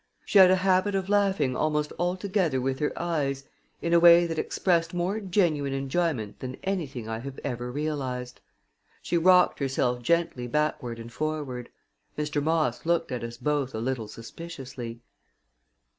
She had a habit of laughing almost altogether with her eyes in a way that expressed more genuine enjoyment than anything I have ever realized. She rocked herself gently backward and forward. Mr. Moss looked at us both a little suspiciously.